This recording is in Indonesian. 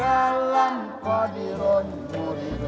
omong wallah far dunia